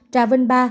trà vinh ba